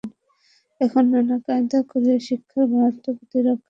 এখন নানা কায়দা করে শিক্ষার বরাদ্দ প্রতিরক্ষার চেয়ে বাড়তি দেখানো হচ্ছে।